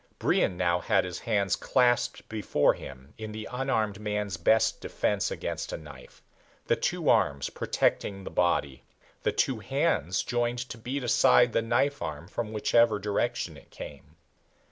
Brion now had his hands clasped before him in the unarmed man's best defense against a knife, the two arms protecting the body, the two hands joined to beat aside the knife arm from whichever direction it came.